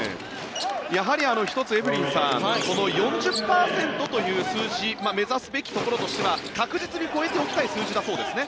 やはり１つ、エブリンさんこの４０％という数字目指すべきところとしては確実に超えておきたい数字だそうですね。